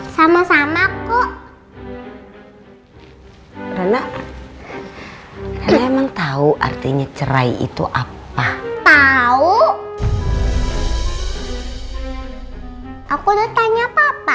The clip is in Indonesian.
sama sama kok bener bener emang tahu artinya cerai itu apa tahu aku udah tanya papa